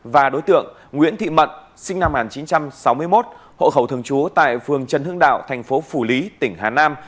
và đối tượng nguyễn thị mận sinh năm một nghìn chín trăm sáu mươi một hộ khẩu thường trú tại phường trần hương đạo thành phố phủ lý tỉnh hà nam